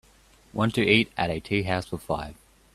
want to eat at a tea house for five